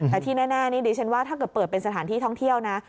แต่ที่แน่นี่ดิฉันว่าถ้าเกิดเปิดเป็นสถานที่ท่องเที่ยวนะ